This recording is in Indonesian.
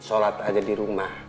sholat aja di rumah